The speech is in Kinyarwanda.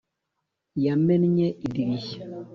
yamennye idirishya.